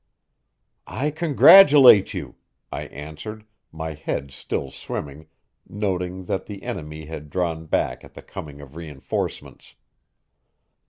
"I congratulate you," I answered, my head still swimming, noting that the enemy had drawn back at the coming of reinforcements.